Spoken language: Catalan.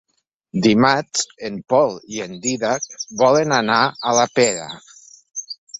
Dimarts en Pol i en Dídac volen anar a la Pera.